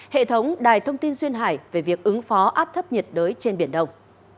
hệ thống đài thông tin duyên hải về việc ứng phó áp thấp nhiệt đới trên biển đông